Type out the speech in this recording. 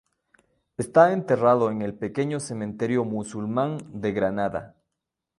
Está enterrado en el pequeño cementerio musulmán de Granada.